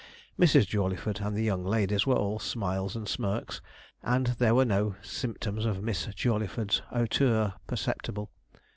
Mrs. Jawleyford and the young ladies were all smiles and smirks, and there were no symptoms of Miss Jawleyford's hauteur perceptible.